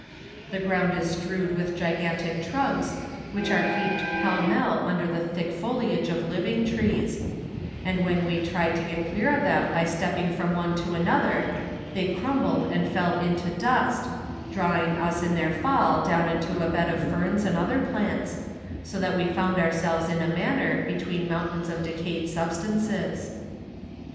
The ground is strewed with gigantic trunks, which are heaped pell mell under the thick foliage of living trees; and when we tried to get clear of them by stepping from one to another, they crumbled and fell into dust, drawing us in their fall down into a bed of ferns and other plants, so that we found ourselves in a manner between moun¬ tains of decayed substances.